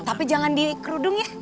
tapi jangan di kerudung ya